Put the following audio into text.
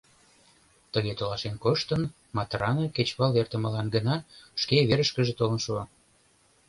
Тыге толашен коштын, Матрана кечывал эртымылан гына шке верышкыже толын шуо.